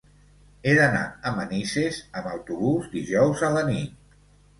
He d'anar a Manises amb autobús dijous a la nit.